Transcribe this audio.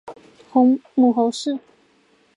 母侯氏。